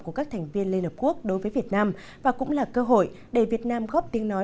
của các thành viên liên hợp quốc đối với việt nam và cũng là cơ hội để việt nam góp tiếng nói